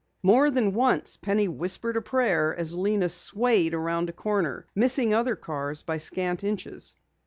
More than once Penny whispered a prayer as Lena swayed around a corner, missing other cars by scant inches.